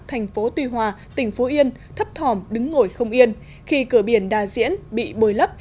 thành phố tuy hòa tỉnh phú yên thấp thỏm đứng ngồi không yên khi cửa biển đa diễn bị bồi lấp